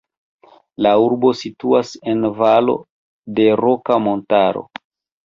La urbo situas en valo de Roka Montaro.